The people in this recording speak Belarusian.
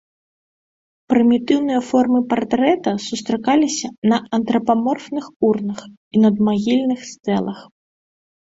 Прымітыўныя формы партрэта сустракаліся на антрапаморфных урнах і надмагільных стэлах.